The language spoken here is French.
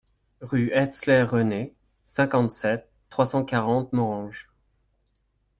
Rue Heitzler René, cinquante-sept, trois cent quarante Morhange